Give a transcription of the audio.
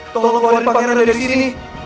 tolong keluarin pangeran dari sini